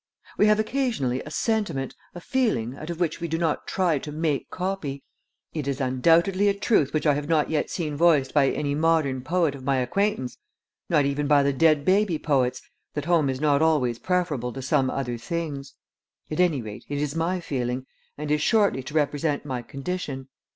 We have occasionally a sentiment, a feeling, out of which we do not try 'to make copy.' It is undoubtedly a truth which I have not yet seen voiced by any modern poet of my acquaintance, not even by the dead baby poets, that home is not always preferable to some other things. At any rate, it is my feeling, and is shortly to represent my condition.